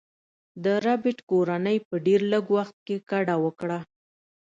د ربیټ کورنۍ په ډیر لږ وخت کې کډه وکړه